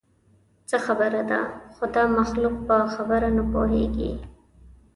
څه خبره ده؟ خو دا مخلوق په خبره نه پوهېږي.